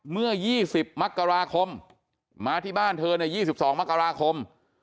เมื่อ๒๐มกราคมมาที่บ้านเธอใน๒๒มกราคม